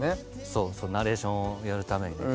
そうナレーションをやるためにね。